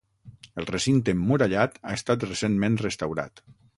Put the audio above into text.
El recinte emmurallat ha estat recentment restaurat.